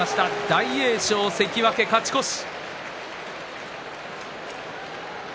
大栄翔、関脇勝ち越し。